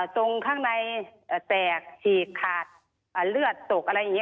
ตรงข้างในแตกฉีกขาดเลือดตกอะไรอย่างนี้